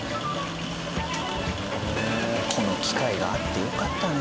この機械があってよかったね。